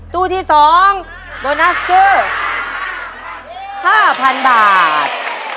ตู้ที่๒โบนัสคือ๕๐๐๐บาท